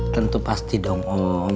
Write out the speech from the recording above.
tentu pasti dong om